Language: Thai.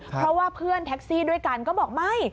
เพราะว่าเพื่อนแท็กซี่ด้วยกันก็บอกไม่